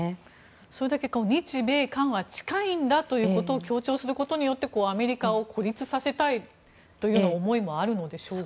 それだけ日米韓は近いんだということを強調することによってアメリカを孤立させたいという思いもあるのでしょうか。